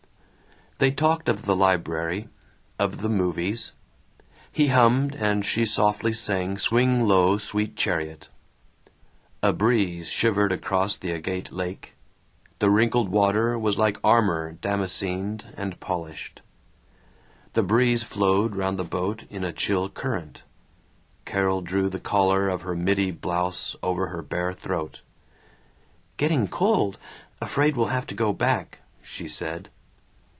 They talked of the library, of the movies. He hummed and she softly sang "Swing Low, Sweet Chariot." A breeze shivered across the agate lake. The wrinkled water was like armor damascened and polished. The breeze flowed round the boat in a chill current. Carol drew the collar of her middy blouse over her bare throat. "Getting cold. Afraid we'll have to go back," she said.